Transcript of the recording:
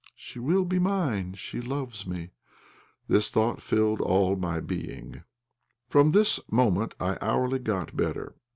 "She will be mine! She loves me!" This thought filled all my being. From this moment I hourly got better.